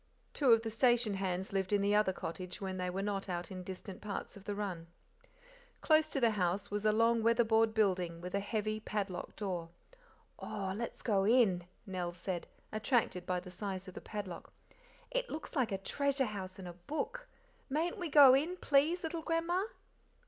Two of the station hands lived in the other cottage when they were not out in distant parts of the run. Close to the house was a long weather board building with a heavy, padlocked door. "Oh, let's go in," Nell said, attracted by the size of the padlock; "it looks like a treasure house in a book mayn't we go in, please, little grandma?"